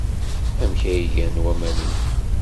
Amek ay gan waman-nni?